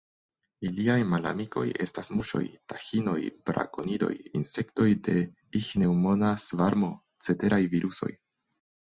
Iliaj malamikoj estas muŝoj, taĥinoj, brakonidoj, insektoj de iĥneŭmona svarmo, ceteraj virusoj.